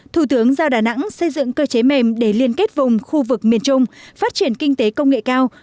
thủ tướng giao đà nẵng xây dựng cơ chế mềm để liên kết vùng khu vực miền trung phát triển kinh tế công nghệ cao